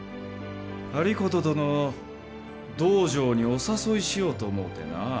有功殿を道場にお誘いしようと思うてな。